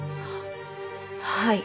はい。